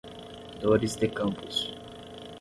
Dores de Campos